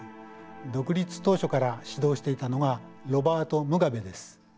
独立当初から指導していたのがロバート・ムガベです。